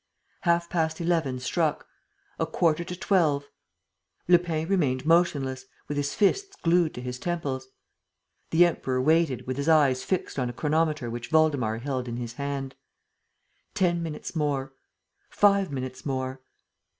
..." Half past eleven struck ... a quarter to twelve. ... Lupin remained motionless, with his fists glued to his temples. The Emperor waited, with his eyes fixed on a chronometer which Waldemar held in his hand. Ten minutes more ... five minutes more